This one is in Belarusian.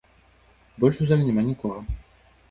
Больш у зале няма нікога!